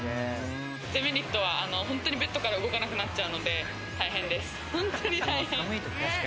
デメリットは本当にベッドから動かなくなっちゃうので大変です。